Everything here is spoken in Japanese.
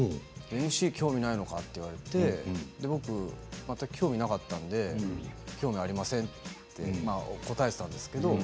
興味ないのかと言われて全く興味がなかったので興味ありませんと答えていたんですけど。